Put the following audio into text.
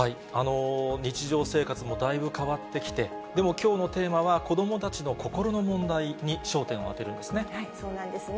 日常生活もだいぶ変わってきて、でも、きょうのテーマは子どもたちの心の問題に焦点を当てるんですね。